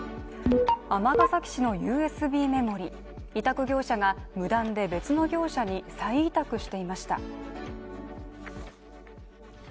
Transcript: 尼崎市のＵＳＢメモリー、委託業者が無断で、別の業者に再委託していました。